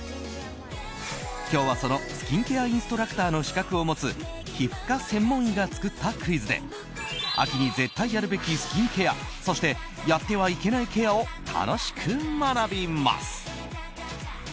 今日は、そのスキンケアインストラクターの資格を持つ皮膚科専門医が作ったクイズで秋に絶対やるべきスキンケアそして、やってはいけないケアを楽しく学びます。